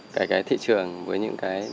cái thị trường với những cái